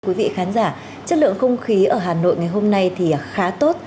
quý vị khán giả chất lượng không khí ở hà nội ngày hôm nay thì khá tốt